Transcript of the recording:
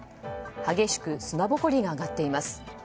激しく砂ぼこりが上がっています。